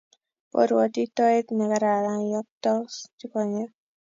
Koruotitoet nekararan, yotoktos konyek